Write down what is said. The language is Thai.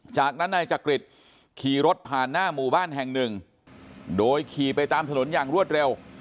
จากนั้นนายจักริตขี่รถผ่านหน้าหมู่บ้านแห่งหนึ่งโดยขี่ไปตามถนนอย่างรวดเร็ว